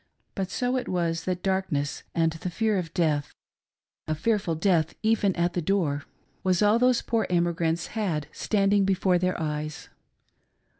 But so it was that dark ness and the fear of death — a fearful death even at the door — r was all those poor emigrants had standing before their eyes.